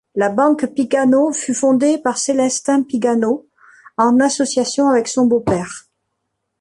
La banque Piganeau fut fondée par Célestin Piganeau, en association avec son beau père.